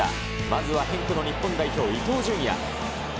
まずはヘンクの日本代表、伊東純也。